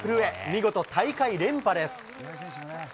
見事、大会連覇です。